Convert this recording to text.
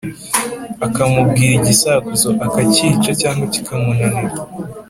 Akamubwira igisakuzo, akakica cyangwa kikamunanira.